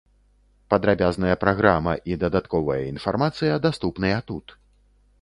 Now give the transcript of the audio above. Падрабязная праграма і дадатковая інфармацыя даступныя тут.